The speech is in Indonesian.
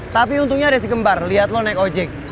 tapi untungnya ada si gembar liat lo naik ojek